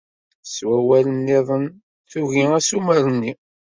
S wawal niḍen, tugi assumer-nni.